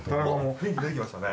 雰囲気出てきましたね。